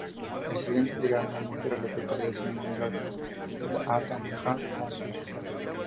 El siguiente diagrama muestra a las localidades en un radio de de Altamahaw-Ossipee.